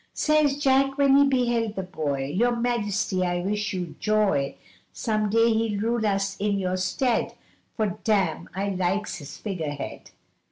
Says Jack, when he beheld the boy, 'Your Majesty, I wish you joy! Some day he'll rule us in your stead, For damme, I likes his figure head!